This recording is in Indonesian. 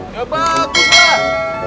ya bagus lah